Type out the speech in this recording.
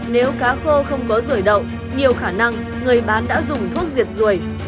nếu cá khô không có rùi đậu nhiều khả năng người bán đã dùng thuốc diệt ruồi